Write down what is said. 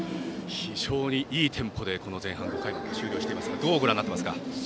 非常にいいテンポで前半５回まで終了していますがどうご覧になっていますか？